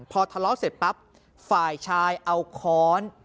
พอทะเลาะเสร็จปั๊บฝ่ายชายเอาค้อน